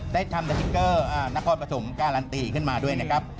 ได้ทำสติ๊กเกอร์นครปฐมการันตีขึ้นมาด้วยนะครับ